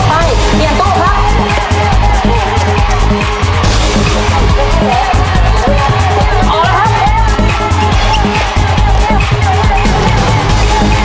ไม่ออกไปเปลี่ยนโต้ครับ